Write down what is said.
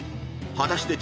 ［果たして］